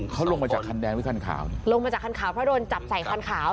เขาลงมาจากคันแดงหรือคันขาวลงมาจากคันขาวเพราะโดนจับใส่คันขาว